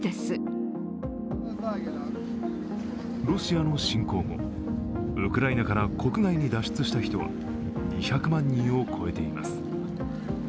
ロシアの侵攻後、ウクライナから国外に脱出した人は２００万人を超えています。